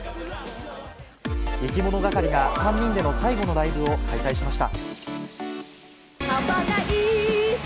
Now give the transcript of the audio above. いきものがかりが３人での最後のライブを開催しました。